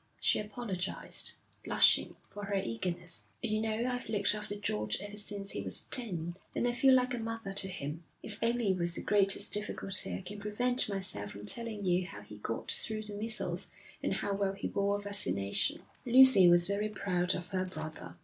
She apologised, blushing, for her eagerness. 'You know, I've looked after George ever since he was ten, and I feel like a mother to him. It's only with the greatest difficulty I can prevent myself from telling you how he got through the measles, and how well he bore vaccination.' Lucy was very proud of her brother.